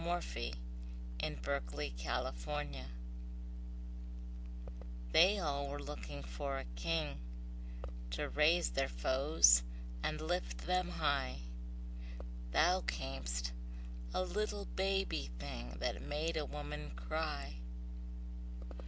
George Macdonald That Holy Thing THEY all were looking for a king To slay their foes and lift them high; Thou cam'st, a little baby thing That made a woman cry.